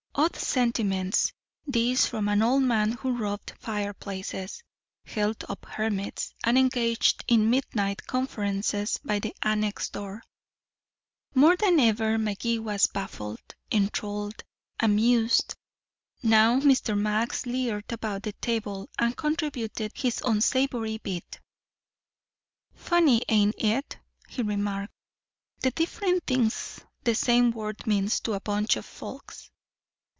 Odd sentiments these from an old man who robbed fireplaces, held up hermits, and engaged in midnight conferences by the annex door. More than ever Magee was baffled, enthralled, amused. Now Mr. Max leered about the table and contributed his unsavory bit. "Funny, ain't it," he remarked, "the different things the same word means to a bunch of folks.